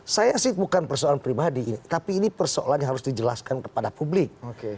saya sih bukan persoalan pribadi tapi ini persoalan yang harus dijelaskan kepada publik